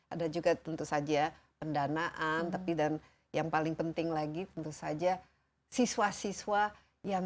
ada juga tentu saja pendanaan tapi dan yang paling penting lagi tentu saja siswa siswa yang